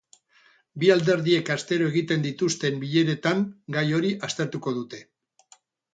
Bi alderdiek astero egiten dituzten bileretan gai hori aztertuko dute.